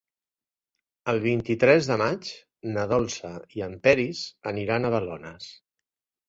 El vint-i-tres de maig na Dolça i en Peris aniran a Balones.